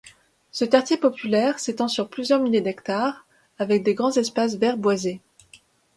Ce quartier populaire s'étend sur plusieurs milliers d'hectares, avec des grands espaces verts boisées.